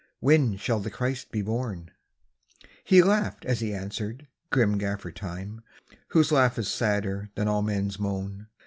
When shall the Christ be born? " He laughed as he answered, grim Gaffer Time, Whose laugh is sadder than all men s moan.